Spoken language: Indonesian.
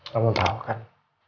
kamu tau kan